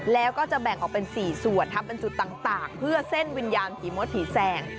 แล้วก็จะแบ่งออกเป็น๔ส่วนทำเป็นจุดต่างเพื่อเส้นวิญญาณผีมดผีแสง